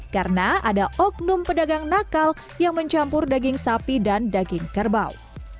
karena ada oknum pedagang nakal yang mencampur daging sapi dan daging kerbau